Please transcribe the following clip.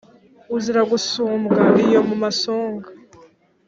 Uzira gusumbwa iyo mu masonga